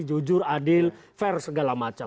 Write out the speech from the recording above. jujur adil fair segala macam